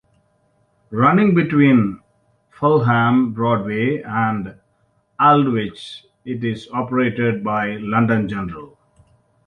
Running between Fulham Broadway and Aldwych, it is operated by London General.